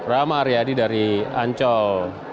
rahma aryadi dari ancol